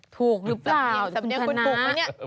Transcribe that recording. ถูกหรือเปล่าสำเนียงคุณคณะ